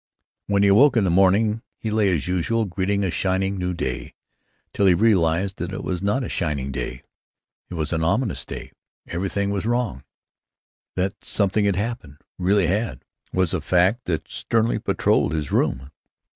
When he awoke in the morning he lay as usual, greeting a shining new day, till he realized that it was not a shining day; it was an ominous day; everything was wrong. That something had happened—really had—was a fact that sternly patrolled his room.